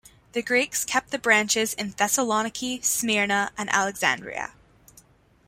The Greeks kept the branches in Thessaloniki, Smyrna and Alexandria.